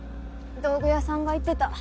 道具屋さんが言ってた。